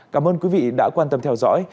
cảm ơn quý vị đã quan tâm theo dõi